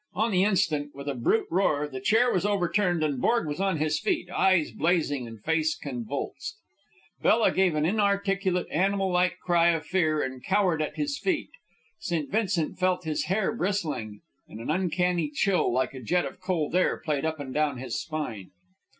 On the instant, with a brute roar, the chair was overturned and Borg was on his feet, eyes blazing and face convulsed. Bella gave an inarticulate, animal like cry of fear and cowered at his feet. St. Vincent felt his hair bristling, and an uncanny chill, like a jet of cold air, played up and down his spine.